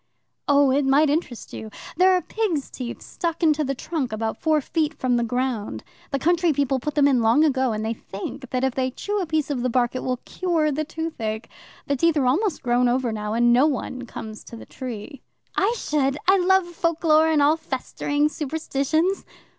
"Oh, it might interest you. There are pigs' teeth stuck into the trunk, about four feet from the ground. The country people put them in long ago, and they think that if they chew a piece of the bark, it will cure the toothache. The teeth are almost grown over now, and no one comes to the tree." "I should. I love folklore and all festering superstitions."